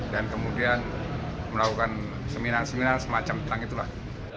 dan kemudian melakukan seminar seminar semacam itu lah